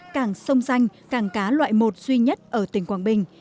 càng sông danh càng cá loại một duy nhất ở tỉnh quảng bình